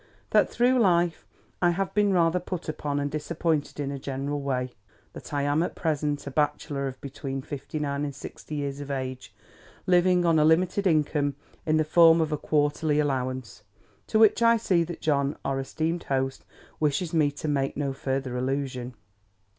That, through life, I have been rather put upon and disappointed in a general way. That I am at present a bachelor of between fifty nine and sixty years of age, living on a limited income in the form of a quarterly allowance, to which I see that John our esteemed host wishes me to make no further allusion.